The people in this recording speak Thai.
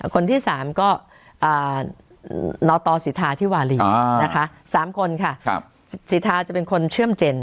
คนที่๓ก็นตสิทธาธิวารีนะคะ๓คนค่ะสิทธาจะเป็นคนเชื่อมเจน